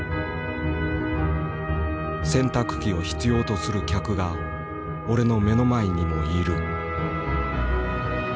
「洗濯機を必要とする客が俺の目の前にもいる」。